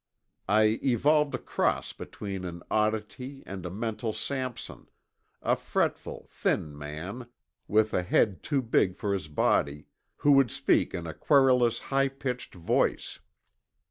I evolved a cross between an oddity and a mental Sampson, a fretful, thin man, with a head too big for his body, who would speak in a querulous high pitched voice.